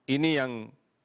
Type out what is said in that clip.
ini yang kami lakukan